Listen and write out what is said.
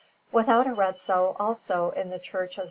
I.] Without Arezzo, also, in the Church of S.